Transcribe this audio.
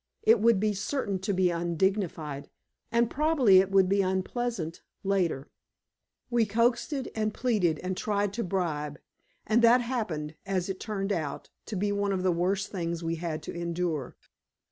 It would be certain to be undignified, and probably it would be unpleasant later." We coaxed and pleaded and tried to bribe, and that happened, as it turned out, to be one of the worst things we had to endure.